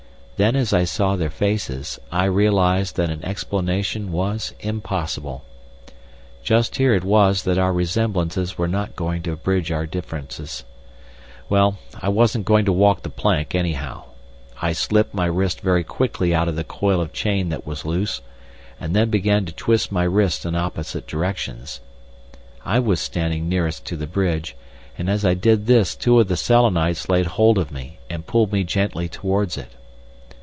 Then as I saw their faces, I realised that an explanation was impossible. Just here it was that our resemblances were not going to bridge our differences. Well, I wasn't going to walk the plank, anyhow. I slipped my wrist very quickly out of the coil of chain that was loose, and then began to twist my wrists in opposite directions. I was standing nearest to the bridge, and as I did this two of the Selenites laid hold of me, and pulled me gently towards it.